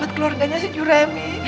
buat keluarganya si juremi